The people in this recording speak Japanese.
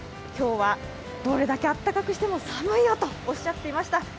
今日はどれだけあったかくしても寒いよとおっしゃっていました。